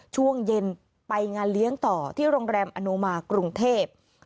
ช่วงเย็นไปงานเลี้ยงต่อที่โรงแรมอนุมากรุงเทพ